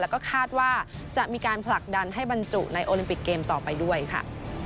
แล้วก็คาดว่าจะมีการผลักดันให้บรรจุในโอลิมปิกเกมต่อไปด้วยค่ะ